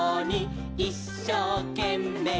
「いっしょうけんめい」